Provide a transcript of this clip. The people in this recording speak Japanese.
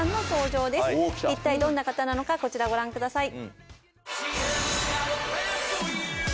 いったいどんな方なのかこちらをご覧ください。